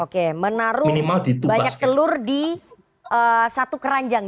oke menaruh banyak telur di satu keranjang